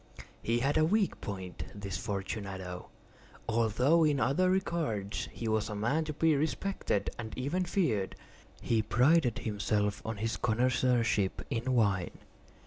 He had a weak point—this Fortunato—although in other regards he was a man to be respected and even feared. He prided himself on his connoisseurship in wine.